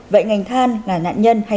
vậy ngành than là nạn nhân hay thủ phạm